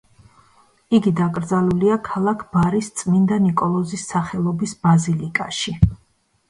იგი დაკრძალულია ქალაქ ბარის წმინდა ნიკოლოზის სახელობის ბაზილიკაში.